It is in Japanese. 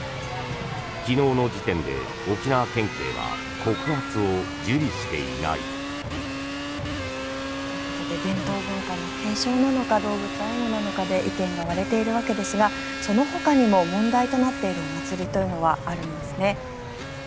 昨日の時点で沖縄県警は告発を受理していない。ということで伝統文化の継承なのか動物愛護なのかで意見が割れているわけですがそのほかにも問題となっているお祭りというのはあるんですね。